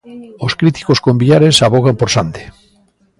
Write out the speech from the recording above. Os críticos con Villares avogan por Sande.